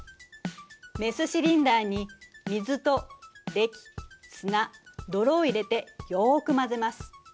メスシリンダーに水とれき砂泥を入れてよく混ぜます。